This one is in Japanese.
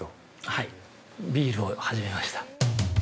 ◆はい、ビールを始めました。